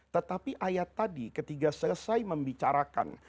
tetapi ayat tadi ketika selesai membicarakan